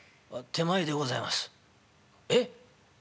「手前でございます」。